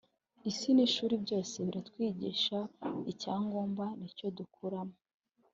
isi n’ ishuri byose biratwigisha icyangomba nicyo dukuramo